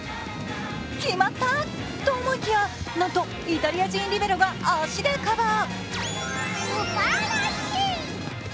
決まった、と思いきやなんとイタリア人リベロが足でカバー。